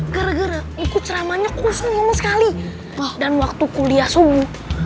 gara gara ikut ceramahnya kok senang sekali dan waktu kuliah subuh